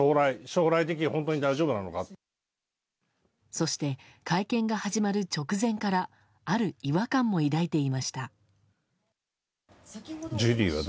そして、会見が始まる直前からある違和感も抱いていました。